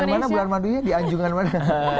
di anjungan mana bulan madunya di anjungan mana